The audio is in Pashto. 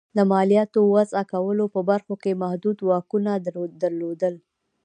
د مالیاتو وضعه کولو په برخو کې محدود واکونه درلودل.